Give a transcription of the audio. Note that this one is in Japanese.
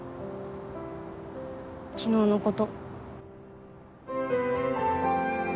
昨日のこと。